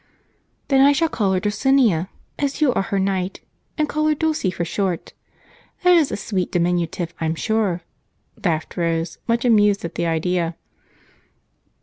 "Then I shall name her Dulcinea, as you are her knight, and call her Dulce for short. That is a sweet diminutive, I'm sure," laughed Rose, much amused at the idea.